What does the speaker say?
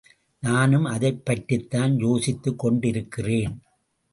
நானும் அதைப் பற்றித்தான் யோசித்துக் கொண்டிருக்கிறேன்.